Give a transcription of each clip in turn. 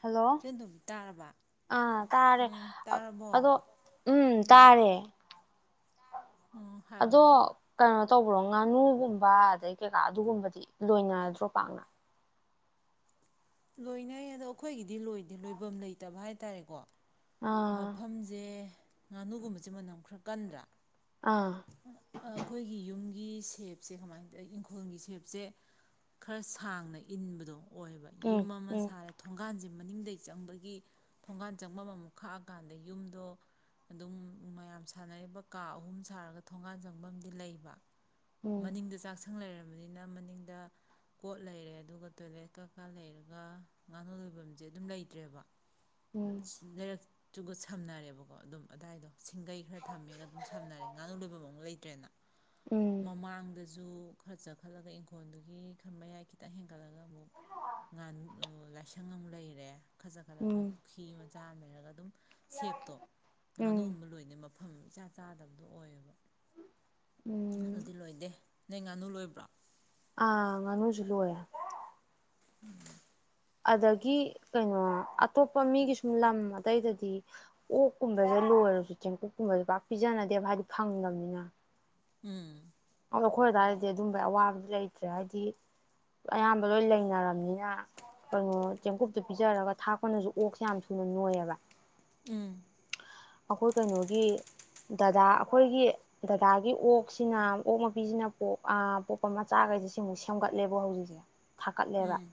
hello ꯏꯆꯟꯇꯣꯝꯕꯤ ꯇꯥꯔꯕ ꯑꯥ ꯇꯥꯔꯦ ꯎꯝ ꯇꯥꯔꯕꯣ ꯑꯗꯣ ꯎꯝ ꯇꯥꯔꯦ ꯎꯝ ꯍꯥꯏꯔꯣ ꯑꯗꯣ ꯍꯥꯏꯔꯣ ꯀꯩꯅꯣ ꯇꯧꯕ꯭ꯔꯣ ꯉꯥꯅꯨꯒꯨꯝꯕ ꯑꯗꯩ ꯀꯩꯀꯥ ꯑꯗꯨꯒꯨꯝꯕꯗꯤ ꯂꯣꯏꯅꯔꯗ꯭ꯔꯣ ꯄꯥꯛꯅ ꯂꯣꯏꯅꯩ ꯑꯗꯣ ꯑꯩꯈꯣꯏꯒꯤꯗꯤ ꯂꯣꯏꯗꯦ ꯂꯣꯏꯐꯝ ꯂꯩꯇꯕ ꯍꯥꯏꯇꯥꯔꯦꯀꯣ ꯑꯥ ꯃꯐꯝꯁꯦ ꯉꯥꯅꯨꯒꯨꯝꯕꯁꯦ ꯃꯅꯝ ꯈꯔ ꯀꯟꯗ꯭ꯔꯥ ꯑꯥ ꯑꯩꯈꯣꯏꯒꯤ ꯌꯨꯝ ꯒꯤ ꯁꯦꯞꯁꯦ ꯀꯃꯥꯏꯅ ꯇꯧ ꯏꯪꯈꯣꯜꯒꯤ ꯁꯦꯞꯁꯦ ꯈꯔ ꯁꯥꯡꯅ ꯏꯟꯕꯗꯣ ꯑꯣꯏꯌꯦꯕ ꯎꯝ ꯌꯨꯝ ꯑꯃ ꯎꯝ ꯁꯥꯔꯦ ꯊꯣꯡꯒꯥꯟꯁꯦ ꯃꯅꯤꯡꯗ ꯆꯪꯕꯒꯤ ꯊꯣꯡꯒꯥꯟ ꯆꯪꯐꯝ ꯑꯃꯃꯨ ꯈꯥꯛꯑꯀꯥꯟꯗ ꯌꯨꯝꯗꯣ ꯑꯗꯨꯝ ꯃꯌꯥꯝ ꯁꯥꯟꯅꯔꯤꯕ ꯀꯥ ꯑꯍꯨꯝ ꯁꯥꯔꯒ ꯊꯣꯡꯒꯥꯟ ꯆꯪꯐꯝ ꯑꯃꯗꯤꯗꯤ ꯂꯩꯕ ꯎꯝ ꯃꯅꯤꯡꯗ ꯆꯥꯛ ꯃꯊꯪ ꯂꯩꯔꯕꯅꯤꯅ ꯃꯅꯤꯡꯗ ꯀꯣꯠ ꯂꯩꯔꯦ ꯑꯗꯨꯒ ꯇꯣꯏꯂꯦꯠ ꯀ ꯀ ꯂꯩꯔꯒ ꯉꯥꯅꯨ ꯂꯣꯏꯐꯝꯁꯦ ꯑꯗꯨꯝ ꯂꯩꯇ꯭ꯔꯦꯕ ꯎꯝ [inaudible] ꯆꯨꯒꯠ ꯁꯝꯅꯔꯦꯕꯀꯣ ꯑꯗꯨꯝ ꯑꯗꯥꯏꯗꯣ ꯁꯤꯡꯒꯩ ꯈꯔ ꯊꯝꯃꯦꯒ ꯑꯗꯨꯝ ꯁꯝꯅꯔꯦ ꯉꯥꯅꯨ ꯂꯣꯏꯕ ꯃꯨꯛ ꯂꯩꯇ꯭ꯔꯦꯅ ꯃꯃꯥꯡꯗ ꯖꯨ ꯈꯔ ꯆꯠꯈꯠꯂꯒ ꯏꯪꯈꯣꯜꯗꯨꯒꯤ ꯈ ꯃꯌꯥꯏ ꯈꯤꯇꯪ ꯍꯦꯟꯒꯠꯂꯒ ꯑꯃꯨꯛ ꯉ ꯂꯥꯏꯁꯪ ꯑꯃꯨꯛ ꯂꯩꯔꯦ ꯈꯖꯛ ꯎꯝ ꯈꯂꯒ ꯎꯝ ꯄꯨ ꯍ ꯆꯥꯔ ꯂꯩꯔꯒ ꯁꯦꯛꯇꯣ ꯎꯝ ꯑꯗꯨꯒꯨꯝꯕ ꯂꯣꯏꯅꯦꯩ ꯃꯐꯝ ꯏꯆꯥ ꯆꯥꯗꯕꯗꯣ ꯑꯣꯏꯌꯦꯕ ꯎꯝ ꯑꯗꯨꯗꯤ ꯂꯣꯏꯗꯦ ꯅ ꯉꯥꯅꯨ ꯂꯣꯏꯕ꯭ꯔꯥ ꯑꯥ ꯉꯅꯨꯖ ꯂꯨ ꯎꯝ ꯑꯗꯒꯤ ꯀꯩꯅꯣ ꯑꯇꯣꯞꯄ ꯃꯤꯒꯤ ꯁꯨꯝ ꯂꯝ ꯑꯇꯩꯗꯗꯤ ꯑꯣꯛꯀꯨꯝꯕꯁꯦ ꯂꯣꯏꯔꯁꯨ ꯆꯦꯡꯀꯨꯞꯀꯨꯝꯕꯁꯦ ꯄꯥꯛ ꯄꯤꯖꯅꯗꯦꯕ ꯍꯥꯏꯗꯤ ꯐꯪꯗꯕꯅꯤꯅ ꯎꯝ ꯅꯈꯣꯏ ꯑꯗꯨꯏꯔꯗꯤ ꯑꯗꯨꯝꯕꯩ ꯑꯋꯥꯕꯗꯤ ꯂꯩꯇ꯭ꯔꯦ ꯍꯥꯏꯗꯤ ꯑꯌꯥꯝꯕ ꯂꯣꯏ ꯂꯩꯅꯔꯕꯅꯤꯅ ꯀꯩꯅꯣ ꯆꯦꯡꯀꯨꯞꯇ ꯄꯤꯖꯔꯒ ꯊꯥꯛꯄꯅꯁꯨ ꯑꯣꯛꯁꯦ ꯌꯥꯝ ꯊꯨꯅ ꯅꯣꯏꯌꯦꯕ ꯎꯝ ꯑꯩꯈꯣꯏ ꯀꯩꯅꯣꯒꯤ ꯗꯗꯥ ꯑꯩꯈꯣꯏꯒꯤ ꯗꯗꯥꯒꯤ ꯑꯣꯛꯁꯤꯅ ꯑꯣꯣꯛ ꯃꯄꯤꯁꯤꯅ ꯄꯣꯛ ꯄꯣꯛꯄ ꯃꯆꯥꯈꯩꯁꯦ ꯁꯤꯃꯨꯛ ꯁꯦꯝꯒꯠꯂꯦꯕ ꯍꯧꯖꯤꯛꯁꯦ ꯊꯥꯀꯠꯂꯦꯕ ꯎꯝ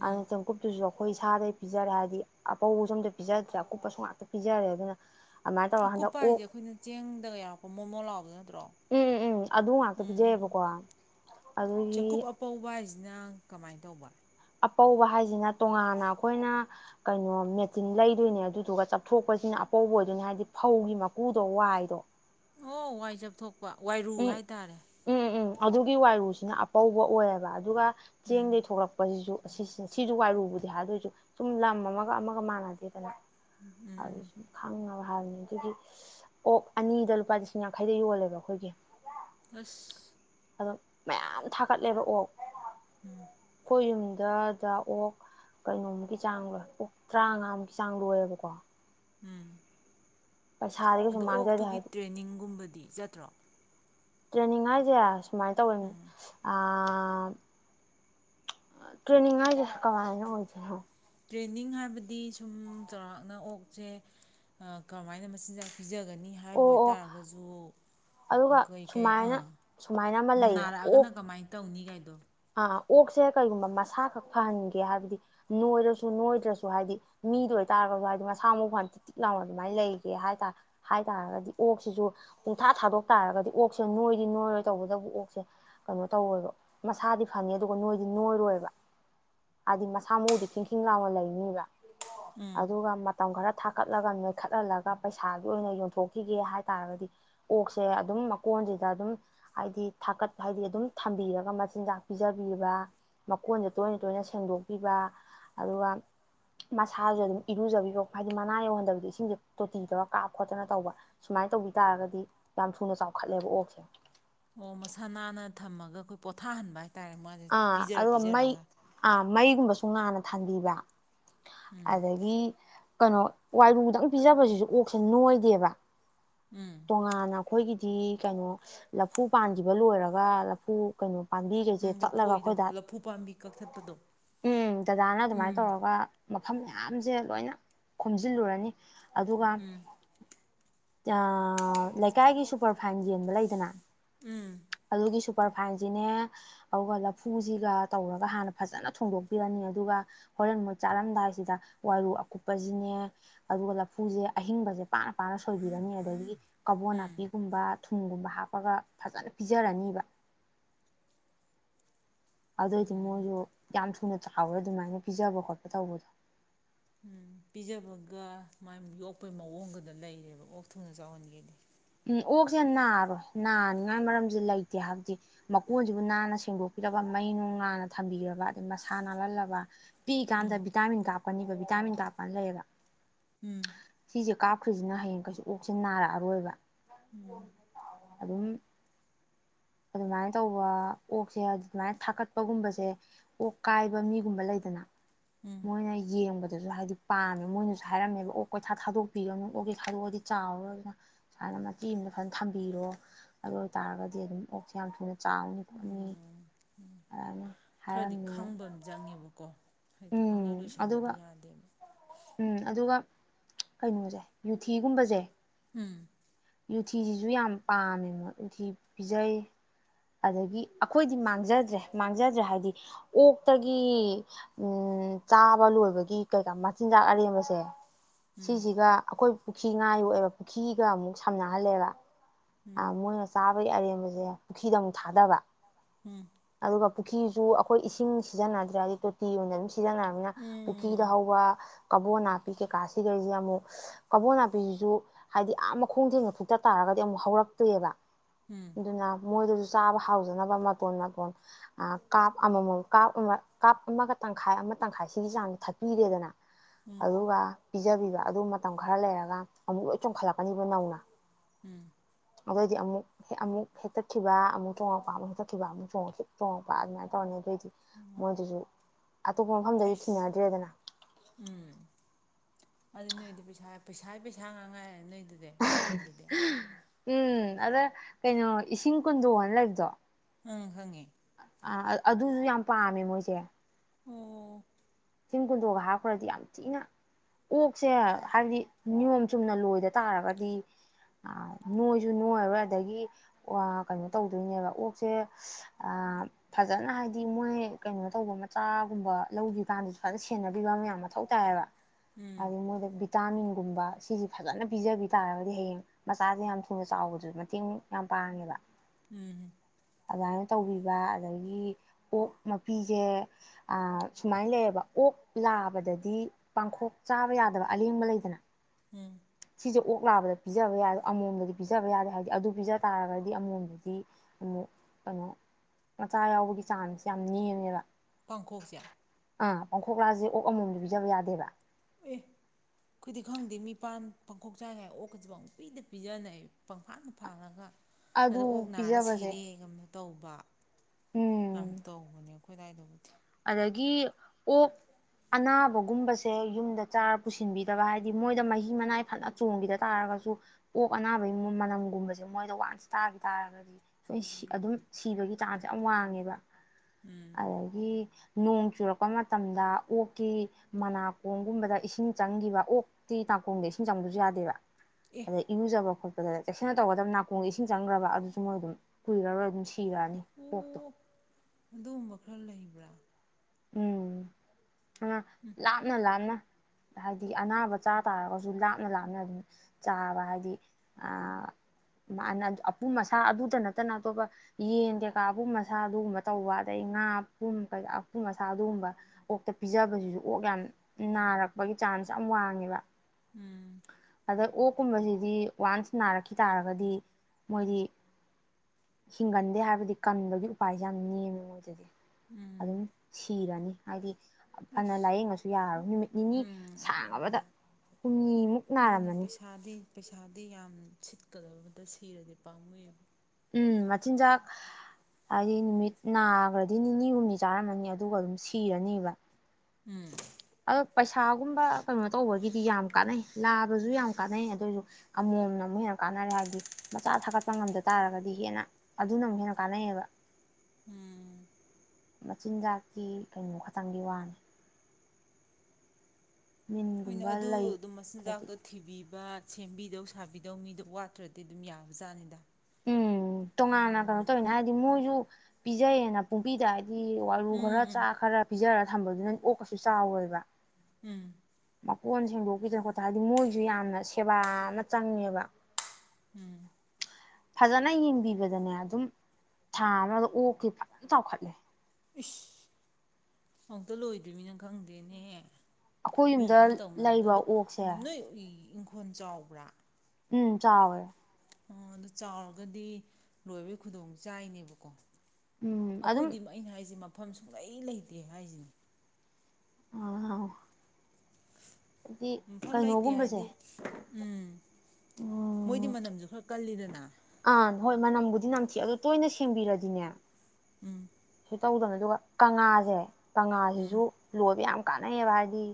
ꯎꯝ ꯑꯗꯨꯅ ꯆꯪꯀꯨꯞꯇꯨꯁꯨ ꯑꯩꯈꯣꯏ ꯏꯁꯗꯩ ꯄꯤꯖꯔꯦ ꯍꯥꯏꯗꯤ ꯑꯄꯧꯕ ꯁꯣꯝꯗ ꯄꯤꯖꯗ꯭ꯔꯦ ꯑꯀꯨꯞꯄꯁꯨ ꯉꯥꯛꯇ ꯄꯤꯖꯔꯦ ꯑꯗꯨꯅ ꯑꯗꯨꯃꯥꯏꯅ ꯇꯧꯔꯒ ꯍꯟꯗꯛ ꯑꯀꯨꯞꯄ ꯑꯣꯛ ꯍꯥꯏꯁꯦ ꯑꯩꯈꯣꯏꯅ ꯆꯦꯡꯗꯒ ꯌꯥꯎꯔꯛꯄ ꯃꯣꯃꯣ ꯂꯥꯎꯕꯗ ꯅꯠꯇ꯭ꯔꯣ ꯎꯝ ꯎꯝ ꯎꯝ ꯑꯗꯨ ꯉꯥꯛꯇ ꯄꯤꯖꯩꯑꯕꯀꯣ ꯑꯗꯨꯗꯒꯤ ꯆꯦꯡꯀꯨꯞ ꯑꯄꯧꯕ ꯍꯥꯏꯁꯤꯅ ꯀꯃꯥꯏꯅ ꯇꯧꯕ ꯑꯄꯧꯕ ꯍꯥꯏꯁꯤꯅ ꯇꯣꯉꯥꯟꯅ ꯑꯩꯈꯣꯏꯅ ꯀꯩꯅꯣ ꯃꯦꯆꯤꯟ ꯂꯩꯗꯣꯏꯅꯦ ꯑꯗꯨꯗꯨꯒ ꯆꯥꯞꯊꯣꯛꯄꯁꯤꯅ ꯑꯄꯧꯕ ꯑꯣꯏꯗꯣꯏꯅꯦ ꯍꯥꯏꯕꯗꯤ ꯐꯧꯒꯤ ꯃꯀꯨꯗꯣ ꯋꯥꯏꯗꯣ ꯑꯣꯣ ꯋꯥꯏꯖ ꯊꯣꯛꯣꯛ ꯋꯥꯏꯔꯨ ꯎꯝ ꯍꯥꯏꯇꯥꯔꯦ ꯎꯝ ꯎꯝ ꯑꯗꯨꯒꯤ ꯋꯥꯏꯔꯨꯁꯤꯅ ꯑꯄꯧꯕ ꯑꯣꯏꯌꯦꯕ ꯑꯗꯨꯒ ꯎꯝ ꯆꯦꯡꯗꯒꯤꯩ ꯊꯣꯛꯂꯛꯄꯁꯤꯁꯨ ꯁꯤꯁꯤ ꯁꯤꯁꯨ ꯋꯥꯏꯔꯨꯕꯗꯤ ꯍꯥꯏꯗꯣꯏꯁꯨ ꯁꯨꯝ ꯂꯝ ꯑꯃꯒ ꯑꯃꯒ ꯃꯥꯟꯅꯗꯦꯗꯅ ꯈꯥꯡꯉ ꯑꯍꯕꯅꯦ ꯑꯗꯨꯒꯤ ꯑꯣꯛ ꯑꯅꯤꯗ ꯂꯨꯄꯥ ꯂꯤꯁꯤꯡ ꯌꯥꯡꯈꯩꯗ ꯌꯣꯜꯂꯦꯕ ꯑꯩꯈꯣꯏꯒꯤ ꯑꯁ ꯑꯗꯨꯝ ꯃꯌꯥꯝ ꯊꯥꯒꯠꯂꯦꯕ ꯑꯣ ꯀꯣꯏ ꯗ ꯑꯣꯛ ꯀꯩꯅꯣꯃꯨꯛꯀꯤ ꯆꯥꯡ ꯂꯣꯏ ꯑꯣꯛ ꯇꯔꯥꯃꯉꯥꯃꯨꯛꯀꯤ ꯆꯥꯡ ꯂꯣꯏꯌꯦꯕꯀꯣ ꯎꯝ ꯄꯩꯁꯥꯗꯤ ꯀꯩꯁꯨ ꯑꯗꯣ ꯃꯥꯡꯖꯗꯦ ꯑꯣꯛꯇꯨꯒꯤ ꯍꯥꯏꯗꯤ ꯇ꯭ꯔꯦꯅꯤꯡꯒꯨꯝꯕꯗ ꯗꯤ ꯆꯠꯇ꯭ꯔꯣ ꯇ꯭ꯔꯦꯅꯤꯡ ꯍꯥꯏꯖꯦ ꯁꯨꯃꯥꯏꯅ ꯇꯧꯋꯅꯤ ꯑ ꯇ꯭ꯔꯦꯅꯤꯡ ꯍꯥꯏꯁꯦ ꯀꯃꯥꯏꯅ ꯑꯣꯏꯁꯤꯅꯣ ꯇ꯭ꯔꯦꯟꯅꯤꯡ ꯍꯥꯏꯕꯗꯤ ꯁꯨꯝ ꯆꯥꯎꯔꯥꯛꯅ ꯑꯣꯛꯁꯦ ꯀꯔꯝꯃꯥꯏꯅ ꯃꯆꯤꯟꯖꯥꯛ ꯄꯤꯖꯒꯦ ꯀꯅ ꯑꯣ ꯇ ꯑꯣ ꯑꯗꯨꯒ ꯁꯨꯃꯥꯏꯅ ꯁꯨꯃꯥꯏꯅ ꯑꯃ ꯂꯩꯌꯦ ꯑꯣꯛ ꯌꯥꯏꯗꯣ ꯑꯣꯛꯁꯦ ꯀꯩꯒꯨꯝꯕ ꯃꯁꯥ ꯈꯛ ꯐꯍꯟꯒꯦ ꯍꯥꯏꯕꯗꯤ ꯅꯣꯏꯔꯁꯨ ꯅꯣꯏꯗ꯭ꯔꯁꯨ ꯍꯥꯏꯗꯤ ꯃꯤꯗ ꯑꯣꯏꯇꯥꯥꯔꯒꯁꯨ ꯍꯥꯏꯗꯤ ꯃꯁꯥ ꯃꯎ ꯐ ꯇꯤꯛ ꯇꯤꯛ ꯂꯥꯎꯅ ꯑꯗꯨꯃꯥꯏꯅ ꯂꯩꯒꯦ ꯍꯥꯏ ꯇꯔꯦ ꯍꯥꯏ ꯇꯥꯔꯒꯗꯤ ꯑꯣꯛꯁꯤꯁꯨ ꯄꯨꯡꯊꯥ ꯊꯥꯗꯣꯛ ꯇꯥꯔꯒꯗꯤ ꯑꯣꯛꯁꯦ ꯅꯣꯏꯗꯤ ꯅꯣꯏꯔꯣꯏ ꯇꯧꯕꯇꯕꯨ ꯑꯣꯛꯁꯦ ꯀꯩꯅꯣ ꯇꯧꯔꯣꯏꯕ ꯃꯁꯥꯗꯤ ꯐꯪꯉꯦ ꯑꯗꯨꯒ ꯅꯣꯏꯗꯤ ꯅꯣꯏꯔꯣꯏꯕ ꯍꯥꯏꯗꯤ ꯃꯁꯥ ꯃꯎꯗꯤ ꯈꯤ ꯡ ꯂꯥꯎꯅ ꯂꯩꯅꯤꯕ ꯎꯝ ꯑꯗꯨꯒ ꯃꯇꯝ ꯈꯔ ꯊꯥꯀꯠꯂꯒ ꯃꯦꯈꯠꯍꯜꯂꯒ ꯄꯩꯁꯥꯒꯤ ꯑꯣꯏꯅ ꯌꯣꯟꯊꯣꯛꯈꯤꯒꯦ ꯍꯥꯏꯇꯥꯥꯔꯒꯗꯤ ꯑꯣꯛꯁꯦ ꯑꯗꯨꯝ ꯃꯀꯣꯟꯁꯤꯗ ꯑꯗꯨꯝ ꯍꯥꯏꯗꯤ ꯊꯥꯀꯠ ꯍꯥꯏꯗꯤ ꯑꯗꯨꯝ ꯊꯝꯕꯤꯔꯒ ꯃꯆꯤꯟꯖꯥꯛ ꯄꯤꯖꯕꯤꯕ ꯃꯈꯣꯟꯁꯦ ꯇꯣꯏꯅ ꯇꯣꯏꯅ ꯁꯦꯡꯗꯣꯛꯄꯤꯕ ꯑꯗꯨꯒ ꯃꯁꯥꯁꯨ ꯑꯗꯨꯝ ꯏꯔꯨꯖꯕꯤꯕ ꯍꯥꯏꯗꯤ ꯃꯅꯥ ꯌꯧꯍꯟꯗꯕꯤꯗ ꯏꯁꯤꯡꯁꯦ ꯇꯣꯇꯤꯗꯔ ꯀꯥꯞ ꯈꯣꯠꯇꯅ ꯇꯧꯕ ꯁꯨꯃꯥꯏꯅ ꯇꯧꯕꯤ ꯇꯥꯔꯒꯗꯤ ꯌꯥꯝ ꯊꯨꯅ ꯆꯥꯎꯈꯠꯂꯦꯕ ꯑꯣꯛꯁꯦ ꯑꯣ ꯃꯁꯥ ꯅꯥꯟꯅ ꯊꯝꯃꯒ ꯑꯩꯈꯣꯏ ꯄꯣꯊꯥꯍꯟꯕ ꯍꯥꯏꯦ ꯑ ꯑꯗꯨꯒ ꯃꯩ ꯑꯥ ꯃꯩꯒꯨꯝꯕꯁꯨ ꯉꯥꯟꯅ ꯊꯥꯟꯕꯤꯕ꯭ ꯎꯝ ꯑꯗꯒꯤ ꯀꯩꯅꯣ ꯋꯥꯏꯔꯨꯗꯪ ꯄꯤꯖꯕꯁꯤꯁꯨ ꯑꯣꯛꯁꯤ ꯅꯣꯏꯗꯦꯕ ꯎꯝ ꯇꯣꯉꯥꯟꯅ ꯑꯩꯈꯣꯏꯒꯤ ꯀꯩꯅꯣ ꯂꯐꯨ ꯄꯥꯟꯈꯤꯕ ꯂꯣꯏꯔꯒ ꯂꯐꯨ ꯀꯩꯅꯣ ꯄꯥꯝꯕꯤꯈꯩꯁꯦ ꯎꯝ ꯆꯠꯂꯒ ꯂꯐꯣꯏꯗꯣ ꯑꯩꯈꯣꯏꯗ ꯂꯐꯨ ꯄꯥꯝꯕꯤ ꯀꯛꯊꯠꯄꯗꯣ ꯎꯝ ꯗꯗꯥꯅ ꯑꯗꯨꯃꯥꯏꯅ ꯎꯝ ꯇꯧꯔꯒ ꯃꯐꯝ ꯃꯌꯥꯝꯁꯦ ꯂꯣꯏꯅ ꯈꯣꯝꯖꯤꯜꯂꯨꯔꯅꯤ ꯑꯗꯨꯒ ꯎꯝ ꯂꯩꯀꯥꯏꯒꯤ ꯁꯨꯄꯔ ꯐꯥꯏꯟ ꯌꯦꯟꯕ ꯂꯩꯗꯅ ꯎꯝ ꯑꯗꯨꯒꯤ ꯁꯨꯄꯔꯐꯥꯏꯟꯁꯤꯅꯦ ꯑꯗꯨꯒ ꯂꯐꯨꯁꯤꯒ ꯇꯧꯔꯒ ꯍꯥꯟꯅ ꯐꯖꯅ ꯊꯣꯡꯗꯣꯛꯄꯤꯔꯅꯤ ꯑꯗꯨꯒ ꯍꯣꯔꯦꯟ ꯃꯣꯏꯠ ꯆꯥꯔꯝꯗꯥꯏꯁꯤꯗ ꯋꯥꯏꯔꯨ ꯑꯀꯨꯞꯄꯁꯤꯅꯦ ꯑꯗꯨꯒ ꯂꯐꯨꯁꯦ ꯑꯍꯤꯡꯕꯁꯦ ꯄꯥꯅ ꯄꯥꯅ ꯁꯣꯏꯕꯤꯔꯅꯤ ꯑꯗꯒꯤ ꯀꯕꯣ ꯅꯥꯄꯤꯒꯨꯝꯕ ꯊꯨꯝꯒꯨꯝꯕ ꯍꯥꯞꯄꯒ ꯐꯖꯅ ꯄꯤꯖꯔꯅꯤꯕ ꯑꯗꯣꯏꯗꯤ ꯃꯣꯖꯣ ꯌꯥꯝ ꯊꯨꯅ ꯆꯥꯎꯔꯦ ꯑꯗꯨꯃꯥꯏꯅ ꯄꯤꯖꯕ ꯈꯣꯠꯄ ꯇꯧꯕꯗꯣ ꯎꯝ ꯄꯤꯖꯕꯒ ꯃꯥꯏ ꯌꯣꯛꯄꯩ ꯃꯑꯣꯡꯒꯗ ꯂꯩꯔꯦꯕ ꯑꯣꯛ ꯊꯨꯅ ꯆꯥꯎꯍꯟꯒꯦꯗꯤ ꯎꯝ ꯑꯣꯛꯁꯦ ꯅꯥꯔꯣꯏ ꯅꯥꯅꯤꯡꯉꯥꯏ ꯃꯔꯝꯁꯦ ꯂꯩꯇꯦ ꯍꯥꯏꯕꯗꯤ ꯃꯀꯣꯟꯁꯤꯕꯨ ꯅꯥꯟꯅ ꯁꯦꯡꯗꯣꯛꯄꯤꯔꯕ ꯃꯩ ꯅꯨꯡ ꯅꯥꯟꯅ ꯊꯝꯕꯤꯔꯕ ꯑꯗꯩ ꯃꯁꯥ ꯅꯥꯜꯍꯜꯂꯕ ꯄꯤ ꯀꯥꯟꯗ ꯎꯝ ꯚꯇꯥꯃꯤꯟ ꯀꯥꯞꯄ ꯑꯅꯤꯕ ꯚꯤꯇꯥꯥꯃꯤꯟ ꯀꯥꯞꯄꯅ ꯂꯩꯌꯦꯕ ꯎꯝ ꯁꯤꯁꯦ ꯀꯥꯞꯈ꯭ꯔꯤꯁꯤꯅ ꯍꯌꯦꯡ ꯀꯩꯁꯨ ꯑꯣꯛꯁꯦ ꯅꯥꯔꯛꯑꯔꯣꯏꯕ ꯎꯝ ꯑꯗꯨꯝ ꯑꯗꯨꯃꯥꯏꯅ ꯇꯧꯕ ꯑꯣꯛꯁꯦ ꯑꯗꯨ ꯑꯗꯨꯃꯥꯏꯅ ꯊꯥꯀꯠꯄꯒꯨꯝꯕꯁꯦ ꯑꯣꯛ ꯀꯥꯏꯕ ꯃꯤꯒꯨꯝꯕ ꯂꯩꯗꯅ ꯎꯝ ꯃꯣꯏꯅ ꯌꯦꯡꯕ ꯑꯗꯨꯁꯨ ꯍꯥꯏꯗꯤ ꯄꯥꯝꯃꯦ ꯃꯣꯏꯅꯁꯨ ꯍꯥꯏꯔꯝꯃꯦꯕ ꯑꯣꯛ ꯀꯩꯊꯥ ꯊꯥꯗꯣꯛꯄꯤꯔꯅꯨ ꯑꯣꯛꯒꯤ ꯊꯥꯗꯣꯛꯑꯗꯤ ꯆꯥꯎꯔꯣꯏ ꯑꯗꯨꯅ ꯁꯨꯃꯥꯏꯅ ꯃꯇꯆꯦ ꯑꯃꯗ ꯐꯖꯅ ꯊꯝꯕꯤꯔꯣ ꯑꯗꯨ ꯑꯣꯏꯇꯥꯔꯒꯗꯤ ꯑꯗꯨꯝ ꯑꯣꯀꯁꯤ ꯌꯥꯝ ꯊꯨ ꯆꯥꯎꯅꯤ ꯈꯣꯠꯅꯤ ꯑꯗꯨꯃꯅ ꯍꯥꯏꯔꯝꯃꯦ ꯍꯥꯏꯗꯤ ꯄꯥꯡꯂꯣꯌ ꯎꯝ ꯑꯗꯨꯒ ꯂꯣꯏꯁꯟꯕꯗꯤ ꯌꯥꯗꯦꯕ ꯎꯝ ꯑꯗꯨꯒ ꯀꯩꯅꯣꯁꯦ ꯌꯨꯊꯤꯒꯨꯝꯕꯁꯦ ꯎꯝ ꯌꯨꯊꯤꯁꯤꯁꯨ ꯌꯥꯝ ꯄꯥꯝꯃꯦꯅ ꯌꯨꯊꯤ ꯄꯤꯖꯩ ꯑꯗꯒꯤ ꯑꯈꯣꯏꯗꯤ ꯃꯥꯡꯖꯗ꯭ꯔꯦ ꯃꯥꯡꯖꯗ꯭ꯔꯦ ꯍꯥꯏꯗꯤ ꯑꯣꯛꯇꯒꯤ ꯎꯝ ꯆꯥꯕ ꯂꯣꯏꯕꯒꯤ ꯀꯩꯀꯥ ꯃꯆꯤꯟꯖꯥꯛ ꯑꯔꯦꯝꯕꯁꯦ ꯎꯝ ꯁꯤꯁꯤꯒ ꯑꯈꯣꯏ ꯄꯨꯈꯤ ꯉꯥꯏꯌꯣꯛꯑꯦꯕ ꯄꯨꯈꯤꯒ ꯑꯃꯨꯛ ꯁꯝꯅꯍꯜꯂꯦꯕ ꯑꯥ ꯎꯝ ꯃꯣꯏꯅ ꯆꯥꯞ ꯈꯣꯏ ꯑꯔꯦꯝꯕꯖꯦ ꯄꯨꯈꯤꯗ ꯑꯃꯨꯛ ꯊꯥꯗꯕ ꯎꯝ ꯗꯨꯒ ꯄꯨꯈꯤꯖꯨ ꯑꯈꯣꯏ ꯏꯁꯤꯡ ꯁꯤꯖꯟꯅꯗ꯭ꯔꯦ ꯗꯤ ꯇꯣꯇꯤ ꯑꯣꯏꯅ ꯗꯨꯝ ꯁꯤ ꯁꯤꯖꯟꯅꯔꯝꯅꯤꯅ ꯄꯨꯈꯤꯗ ꯎꯝ ꯍꯧꯕ ꯀꯕꯣ ꯅꯥꯄꯤ ꯀꯩꯀꯥ ꯁꯤꯒꯩꯖꯦ ꯑꯃꯨꯛ ꯀꯕꯣ ꯅꯥꯄꯤꯖꯤꯖꯨ ꯍꯥꯏꯗꯤ ꯑꯥ ꯃꯈꯣꯡ ꯊꯦꯡꯅ ꯐꯨꯛꯇꯠ ꯇꯥꯔꯒꯗꯤ ꯑꯃꯨꯛ ꯍꯧꯔꯛꯇꯦꯕ ꯎꯝ ꯑꯗꯨꯅ ꯃꯣꯏꯗꯖꯨ ꯆꯥꯕ ꯍꯥꯎꯖꯅꯕ ꯃꯇꯣꯟꯅ ꯑꯥ ꯀꯥꯞ ꯑꯃꯃꯝ ꯀꯥꯞ ꯑꯃ ꯀꯥꯞ ꯑꯃꯒ ꯇꯪꯈꯥꯏ ꯑꯃ ꯇꯪꯈꯥꯏ ꯁꯤꯒꯤ ꯆꯥꯡ ꯊꯠꯄꯤꯔꯦꯗꯅ ꯎꯝ ꯑꯗꯨꯒ ꯄꯤꯖꯕꯤꯕ ꯑꯗꯨ ꯃꯇꯝ ꯈꯔ ꯂꯩꯔꯒ ꯑꯃꯨꯛ ꯂꯣꯏ ꯆꯣꯡꯈꯠꯂꯛꯀꯅꯤꯕ ꯅꯧꯅ ꯎꯝ ꯑꯗꯣꯏꯗꯤ ꯑꯃꯨꯛꯍꯦꯛ ꯑꯃꯨꯛ ꯍꯦꯛꯇꯠꯈꯤꯕ ꯑꯃꯨꯛ ꯆꯣꯡꯉꯛꯄ ꯑꯃꯨꯛ ꯍꯦꯛꯇꯠꯈꯤꯕ ꯑꯃꯨꯛ ꯆꯣꯡꯉꯛꯈꯤ ꯆꯣꯡꯉꯛꯄ ꯑꯗꯨꯃꯥꯏ ꯇꯧꯔꯅꯤ ꯑꯗꯣꯢꯗꯤ ꯃꯣꯏꯗꯖꯨ ꯑꯇꯣꯞꯄ ꯃꯐꯝꯗꯖꯨ ꯊꯤꯅꯗ꯭ꯔꯦꯗꯅ ꯎꯝ ꯑꯗꯨ ꯅꯣꯏꯗꯤ ꯄꯩꯁꯥ ꯄꯩꯁꯥꯏ ꯄꯩꯁꯥ ꯉꯥꯛꯉꯥꯏꯔꯦ ꯅꯣꯏꯗꯤ ꯗꯨꯗꯤ ꯅꯣꯏ ꯌꯨꯝꯗꯨꯗꯤ ꯎꯝ ꯑꯗ ꯀꯩꯅꯣ ꯏꯁꯤꯡ ꯀꯨꯟꯗꯣꯛꯑꯅ ꯂꯩꯕꯗꯣ ꯑꯪ ꯈꯪꯉꯦ ꯑ ꯑꯗꯨꯁꯨ ꯌꯥꯝ ꯄꯥꯝꯃꯦ ꯃꯣꯏꯁꯦ ꯑꯣ ꯆꯤꯡ ꯀꯨꯟꯗꯣꯛꯒ ꯍꯥꯞꯈ꯭ꯔꯗꯤ ꯌꯥꯝ ꯊꯤꯅ ꯑꯣꯛꯁꯦ ꯍꯥꯏꯕꯗꯤ ꯅꯤꯌꯣꯝ ꯆꯨꯝꯅ ꯂꯣꯏꯗ ꯇꯥꯔꯒꯗꯤ ꯅꯣꯏꯁꯨ ꯅꯣꯏꯔꯔꯣꯏ ꯑꯗꯒꯤ ꯀꯩꯅꯣ ꯇꯧꯗꯣꯏꯅꯦꯕ ꯑꯣꯛꯁꯦ ꯐꯖꯅ ꯍꯥꯏꯗꯤ ꯃꯣꯏ ꯀꯩꯅꯣ ꯇꯧꯕ ꯃꯆꯥꯒꯨꯝꯕ ꯂꯧꯗ꯭ꯔꯤ ꯀꯥꯟꯗꯁꯨ ꯁꯦꯟꯅꯕꯤꯕ ꯑꯃ ꯌꯥꯝ ꯃꯊꯧ ꯇꯥꯏꯌꯦꯕ ꯎꯝ ꯑꯗꯨ ꯕꯤꯇꯝꯤꯟ ꯒꯨꯝꯕ ꯁꯤꯁꯤ ꯐꯖꯅ ꯄꯤꯖꯕꯤ ꯇꯥꯔꯒꯗꯤ ꯍꯌꯦꯡ ꯃꯆꯥꯁꯦ ꯌꯥꯝ ꯊꯨꯅ ꯆꯥꯎꯕꯗꯁꯨ ꯃꯇꯦꯡ ꯌꯥꯝ ꯄꯥꯡꯉꯦꯕ ꯎꯝ ꯑꯗꯨꯃꯥꯏꯅ ꯇꯧꯕꯤꯕ ꯑꯗꯒꯤ ꯑꯣꯛ ꯃꯄꯤꯖꯦ ꯁꯨꯃꯥꯏꯅ ꯂꯩꯌꯦꯕ ꯑꯣꯛ ꯂꯥꯕꯗꯗꯤ ꯄꯥꯡꯈꯣꯛ ꯆꯥꯕ ꯌꯥꯗꯕ ꯑꯂꯦꯡꯕ ꯂꯩꯗꯅ ꯎꯝ ꯁꯤꯁꯦ ꯑꯣꯛ ꯂꯥꯛꯕꯗ ꯄꯤꯖꯕ ꯌꯥꯏꯗ ꯑꯃꯣꯝꯗꯗꯤ ꯄꯤꯖꯕ ꯌꯥꯗꯦ ꯍꯥꯏꯕꯗꯤ ꯑꯗꯨ ꯄꯤꯖ ꯇꯥꯔꯒꯗꯤ ꯑꯃꯣꯝꯗꯗꯤ ꯑꯃꯨꯛ ꯀꯩꯅꯣ ꯃꯆꯥ ꯌꯥꯎꯕꯒꯤ ꯆꯥꯡꯁꯦ ꯌꯥꯝ ꯅꯦꯝꯃꯦꯕ ꯄꯥꯡꯈꯣꯛꯁꯦ ꯑꯥ ꯄꯥꯡꯈꯣꯛꯂꯥꯛꯂꯥꯁꯦ ꯑꯣꯛ ꯑꯃꯃꯝꯗꯨ ꯄꯤꯖꯕ ꯌꯥꯗꯦꯕ ꯑꯦ ꯑꯩꯈꯗꯤ ꯈꯪꯗꯦ ꯃꯤꯄꯥꯟ ꯄꯥꯡꯈꯣꯛ ꯆꯥꯏꯉꯥꯏ ꯑꯣꯛꯀꯁꯤꯐꯥꯎ ꯅꯨꯄꯤꯗ ꯄꯤꯖꯅ ꯑꯩ ꯄꯪꯐꯥꯅ ꯐꯥꯜꯂꯒ ꯑꯗꯣ ꯑꯣꯛ ꯑꯗꯨ ꯅꯥꯔ ꯄꯤꯖꯕꯁꯦ ꯁꯤꯔꯦ ꯉꯝꯅ ꯇꯧꯕ ꯌꯥꯝ ꯎꯝ ꯇꯧꯕꯅꯦ ꯈꯣꯏꯗꯥꯏꯗ ꯕꯨꯗꯤ ꯑꯗꯒꯤ ꯑꯣꯛ ꯑꯅꯥꯕꯒꯨꯝꯕꯁꯦ ꯌꯨꯝꯗ ꯆꯥꯔ ꯄꯨꯁꯤꯟꯕꯤꯗꯕ ꯍꯥꯏꯗꯤ ꯃꯣꯏꯗ ꯃꯍꯤ ꯃꯅꯥꯏ ꯐꯅ ꯆꯣꯡꯒꯤꯗ ꯇꯥꯔꯒꯁꯨ ꯑꯣꯛ ꯑꯅꯥꯕꯩꯒꯤ ꯃ ꯃꯅꯝ ꯒꯨꯝꯕꯁꯦ ꯃꯣꯏꯗ ꯋꯥꯟꯁ ꯇꯥꯈꯤ ꯇꯥꯔꯒꯗꯤ ꯁꫭꯏ ꯁꯤ ꯑꯗꯨꯝ ꯁꯤꯕꯒꯤ ꯆꯥꯡꯁꯦ ꯌꯥꯝ ꯋꯥꯡꯉꯦꯕ ꯎꯝ ꯑꯗꯒꯤ ꯅꯣꯡ ꯆꯨꯔꯛꯄ ꯃꯇꯝꯗ ꯑꯣꯛꯀꯤ ꯃꯅꯥꯀꯣꯡꯒꯨꯝꯕꯗ ꯏꯁꯤꯡ ꯆꯪꯒꯤꯕ ꯑꯣꯛꯇꯤ ꯅꯥꯀꯣꯡꯗ ꯏꯁꯤꯡ ꯆꯪꯕꯁꯨ ꯌꯥꯗꯦꯕ ꯑꯦ ꯑꯗ ꯏꯔꯨꯖꯕ ꯈꯣꯠ ꯑꯗ ꯆꯦꯛꯁꯟꯅ ꯇꯧꯒꯗꯕ ꯅꯥꯀꯣꯡꯗ ꯏꯁꯤꯡ ꯆꯪꯒ꯭ꯔꯕ ꯑꯗꯨꯁꯨ ꯃꯣꯏ ꯑꯗꯨꯝ ꯀꯨꯏꯔꯔꯣꯏ ꯑꯗꯨꯝ ꯁꯤ ꯁꯤꯒ꯭‌ꯔꯅꯤ ꯑꫭꯛꯇꫭ ꯑꯣ ꯑꯗꯨꯒꯨꯝꯕ ꯈꯔ ꯂꯩꯕ꯭ꯔꯥ ꯎꯝ [unintelligible] ꯂꯥꯞꯅ ꯂꯥꯞꯅ ꯍꯥꯏꯗꯤ ꯑꯅꯥꯕ ꯆꯥ ꯇꯥꯔꯒꯁꯨ ꯂꯥꯞꯅ ꯂꯥꯞꯅ ꯑꯗꯨꯝ ꯆꯥꯕ ꯍꯥꯏꯗꯤ ꯑ ꯃꯥꯅ ꯑꯄꯨꯝ ꯑꯁꯥ ꯑꯗꯨꯇ ꯅꯠꯇꯅ ꯑꯇꯣꯞꯄ ꯌꯦꯟ ꯀꯩꯀꯥ ꯑꯄꯨꯝ ꯑꯁꯥ ꯑꯗꯨꯒꯨꯝꯕ ꯇꯧꯕ ꯑꯗꯒꯤ ꯉꯥ ꯄꯨꯝ ꯀꯩ ꯑꯁꯥ ꯑꯗꯨꯒꯨꯝꯕ ꯑꯣꯛꯇ ꯄꯤꯖꯕꯁꯤꯁꯨ ꯑꯣꯛ ꯌꯥꯝ ꯅꯥꯔꯛꯄꯒꯤ ꯆꯥꯟꯁ ꯌꯥꯝ ꯋꯥꯡꯉꯦꯕ ꯎꯝ ꯑꯗ ꯑꯣꯛꯀꯨꯝꯕꯁꯤꯗꯤ ꯋꯥꯟꯁ ꯅꯥꯔꯛꯈꯤ ꯇꯥꯔꯒꯗꯤ ꯃꯣꯏꯗꯤ ꯍꯤꯡꯒꯟꯗꯦ ꯍꯥꯏꯕꯗꯤ ꯀꯟꯕꯒꯤ ꯎꯄꯥꯏꯁꯦ ꯌꯥꯝ ꯅꯦꯝꯃꯦ ꯃꯣꯏꯗꯗꯤ ꯑꯗꯨꯝ ꯎꯝ ꯊꯤꯔꯅꯤ ꯍꯥꯏꯗꯤ ꯐꯅ ꯂꯥꯏꯌꯦꯡꯉꯁꯨ ꯌꯥꯔꯣꯏ ꯅꯨꯃꯤꯠ ꯅꯤꯅꯤ ꯁꯥꯡꯉꯕꯗ ꯍꯨꯝꯅꯤ ꯑꯗꯨꯅꯦ ꯄꯩꯁꯥꯗꯤ ꯄꯩꯁꯥꯗꯤ ꯌꯥꯝ ꯁꯤꯠꯀꯗꯕꯗ ꯁꯤꯔꯗꯤ ꯄꯥꯝꯃꯨꯏꯕ ꯎꯝ ꯃꯆꯤꯟꯖꯥꯛ ꯍꯥꯏꯗꯤ ꯅꯨꯃꯤꯠ ꯅꯥꯒ꯭ꯔꯗꯤ ꯅꯤꯅꯤ ꯍꯨꯝꯅꯤ ꯆꯥꯔꯝꯃꯅꯤ ꯑꯗꯨꯒ ꯑꯗꯨꯝ ꯁꯤꯔꯅꯤꯕ ꯎꯝ ꯑꯗ ꯄꯩꯁꯥꯒꯨꯝꯕ ꯀꯩꯅꯣ ꯇꯧꯕꯒꯤꯗꯤ ꯌꯥꯝ ꯀꯥꯟꯅꯩ ꯂꯥꯕꯁꯨ ꯌꯥꯝ ꯀꯥꯟꯅꯩ ꯑꯗꯨ ꯑꯣꯏꯁꯨ ꯑꯃꯣꯝꯅ ꯑꯃꯨꯛ ꯍꯦꯟꯅ ꯀꯥꯟꯅꯔꯦ ꯍꯥꯏꯕꯗꯤ ꯃꯆꯥ ꯊꯥꯒꯠꯄ ꯉꯝꯗ ꯇꯥꯔꯒꯗꯤ ꯍꯦꯟꯅ ꯑꯗꯨꯅ ꯑꯃꯨꯛ ꯍꯦꯟꯅ ꯀꯥꯟꯅꯩꯌꯦꯕ ꯎꯝ ꯃꯆꯤꯟꯖꯥꯛꯀꯤ ꯀꯩꯅꯣ ꯈꯇꯪꯒꯤ ꯋꯥꯅꯤ ꯍꯣꯏꯅꯦ ꯃꯤꯟꯒꯨꯝꯕ ꯑꯗꯨ ꯑꯗꯨꯝ ꯂꯩꯇ꯭ꯔꯗꯤ ꯃꯆꯤꯟꯖꯥꯛꯇꯣ ꯊꯤꯕꯤꯕ ꯁꯦꯝꯕꯤꯗꯧ ꯁꯥꯕꯤꯗꯧ ꯃꯤꯗꯣ ꯋꯥꯠꯇ꯭ꯔꯗꯤ ꯑꯗꯨꯝ ꯌꯥꯕ ꯖꯥꯠꯅꯤꯗ ꯎꯝ ꯇꯣꯉꯥꯟꯅ ꯀꯩꯅꯣ ꯇꯧꯏꯅꯦ ꯍꯥꯏꯗꯤ ꯃꯣꯏꯁꯨ ꯄꯤꯖꯩꯌꯦꯅ ꯄꯨꯡꯄꯤ ꯗ ꯗꯤ ꯋꯥꯔꯨ ꯈꯔ ꯎꯝ ꯎꯝ ꯆꯥ ꯈꯔ ꯄꯤꯖꯔ ꯊꯝꯕꯗꯨꯅ ꯑꯣꯛꯀꯁꯨ ꯆꯥꯎꯔꫭꯏꯕ ꯎꯝ ꯀꯣꯟ ꯁꯦꯡꯗꯣꯛꯄꯤꯗꯅ ꯈꯣꯠꯇꯅ ꯍꯥꯏꯗꯤ ꯃꯣꯏꯁꯨ ꯌꯥꯝꯅ ꯁꯦꯕꯥ ꯑꯃ ꯆꯪꯉꯦꯕ ꯎꯝ ꯐꯖꯅ ꯌꯦꯡꯕꯤꯕꯗꯅꯦ ꯑꯗꯨꯝ ꯊꯥ ꯑꯃꯗ ꯑꯣꯛꯇꯤ ꯐꯖꯅ ꯆꯥꯎꯈꯠꯂꯦ ꯏꯁ ꯑꯃꯨꯛꯇ ꯂꯣꯏꯗ‌꯭ꯔꯤꯃꯤꯅ ꯈꯪꯗꯦꯅꯦ ꯑꯩꯈꯣꯏ ꯃꯤ ꯌꯨꯝꯗ ꯁꯨꯝ ꯇꯧꯅꯕꯗ ꯂꯩꯕ ꯑꯗꯣ ꯑꯣꯛꯁꯦ ꯅꯣꯏ ꯍꫭꯟ ꯆꯥꯎꯕ꯭ꯔꯥ ꯎꯝ ꯆꯥꯎꯋꯦ ꯑꯣ ꯑꯗꯨ ꯆꯥꯎꯔꯒꯗꯤ ꯂꯣꯏꯕꯩ ꯈꯨꯗꯣꯡ ꯆꯥꯏꯅꯦꯕꯀꯣ ꯎꯝ ꯑꯗꯨꯝ ꯑꯩꯈꯣꯏꯗꯤ ꯑꯩꯅ ꯍꯥꯏꯁ ꯃꯐꯝ ꯁꯨꯡꯂꯩ ꯂꯩꯇꯦ ꯍꯥꯏꯁꯤꯅꯤ ꯑ ꯃꯐꯝ ꯂꯩꯇꯦ ꯀꯩꯅꯣꯒꯨꯝꯕꯁꯦ ꯍꯥꯏꯕꯗꯤ ꯎꯝ ꯎꯝ ꯁꯤꯒꯤ ꯃꯝꯁꯨ ꯈꯔ ꯀꯜꯂꯤꯗꯅ ꯑꯥ ꯍꯣꯏ ꯃꯅꯝꯕꯨꯗꯤ ꯅꯝꯊꯤ ꯑꯗꯣ ꯇꯣꯏꯅ ꯁꯦꯝꯕꯤꯔꯗꯤꯅꯦ ꯎꯝ ꯇꯧꯗꯕꯅꯦ ꯑꯗꯨꯒ ꯀꯪꯂꯉꯥꯁꯦ ꯀꯪꯂꯥꯁꯤꯁꯨ ꯎꯝ ꯂꯣꯏꯕ ꯌꯥꯝ ꯀꯥꯟꯅꯩꯑꯕ ꯍꯥꯏꯗꯤ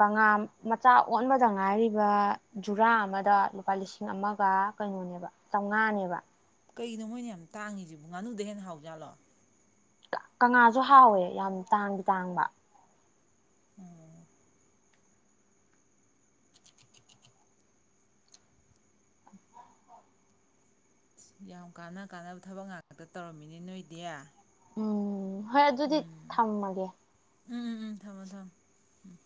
ꯀꯪꯂꯥ ꯃꯆꯥ ꯑꯣꯟꯕꯗ ꯉꯥꯏꯔꯤꯕ ꯖꯨꯔꯥ ꯑꯃꯗ ꯂꯨꯄꯥ ꯂꯤꯁꯤꯡ ꯑꯃꯒ ꯀꯩꯅꯣꯅꯦꯕ ꯆꯥꯝꯃꯉꯥꯅꯦꯕ ꯀꯅꯣ ꯃꯣꯏꯅ ꯌꯥꯝ ꯇꯥꯡꯉꯤꯁꯤꯕꯨ ꯉꯥꯅꯨꯗ ꯍꯦꯟꯅ ꯍꯥꯎꯖꯥꯠꯂꯣ ꯀꯪꯂꯥꯁꯨ ꯍꯥꯎꯋꯦ ꯌꯥꯝ ꯇꯥꯡꯗꯤ ꯇꯥꯡꯕ ꯑꯣ ꯌꯥꯝ ꯀꯥꯟꯅ ꯀꯥꯟꯅꯕ ꯊꯕꯛ ꯉꯥꯛꯇ ꯇꯧꯔꯝꯃꯤꯅꯤ ꯅꯣꯏꯗꯤ ꯎ ꯍꯣꯏ ꯑꯗꯨꯗꯤ ꯊꯝꯃꯒꯦ ꯎꯝ ꯎꯝ ꯎꯝ ꯊꯝꯃꯣ ꯊꯝꯣ ꯎꯝ